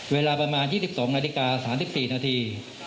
เวลาประมาณ๒๒นาฬิกา๓๔นาที